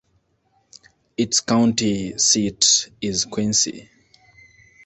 Its county seat is Quincy.